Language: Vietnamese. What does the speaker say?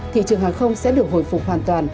thị trường hàng không sẽ được hồi phục hoàn toàn